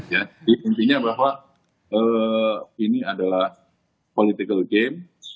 jadi intinya bahwa ini adalah political game